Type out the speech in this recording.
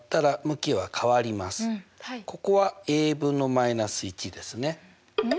ここは分の−１ですね。